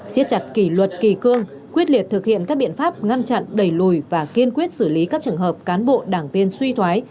xiết chặt kỷ luật kỳ cương quyết liệt thực hiện các biện pháp ngăn chặn đẩy lùi và kiên quyết xử lý các trường hợp cán bộ đảng viên suy thoái